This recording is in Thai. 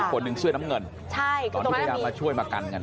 อตอนที่เพราะไม่ช่วยมากันอ่ะ